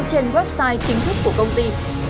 trên website chính thức của công ty